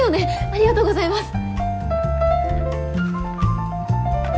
ありがとうございます。